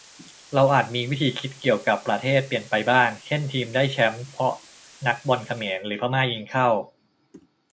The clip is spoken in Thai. เราอาจมีวิธีคิดเกี่ยวกับประเทศเปลี่ยนไปบ้าง เช่นทีมได้แช้มป์เพราะนักบอลเขมรหรือพม่ายิงเข้า